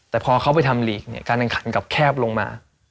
แต่พอเขาไปทำลีกเนี่ยการแข่งขันกลับแคบลงมา